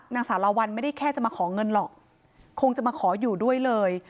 สารวัลไม่ได้แค่จะมาขอเงินหรอกคงจะมาขออยู่ด้วยเลย